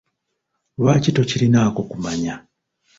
Lwaki tokirinaako kumanya?